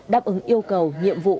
đáp ứng yêu cầu nhiệm vụ